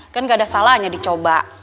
kan gak ada salah hanya dicoba